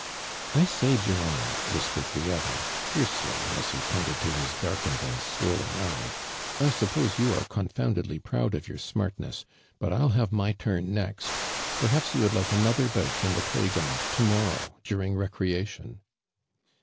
•• I say, Durand," whispered the oth 'r. fiercely, as he pointed to his darkened and swollen eye. " 1 suppose you are confounded ly proud of your smartness, but I'll have my turn next. Perhaps you would like another bout in the play ground to morrow, during recreation?"